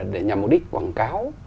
để nhằm mục đích quảng cáo